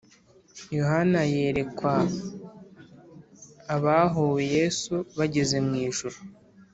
Yohana yerekwa abahowe Yesu bageze mu ijuru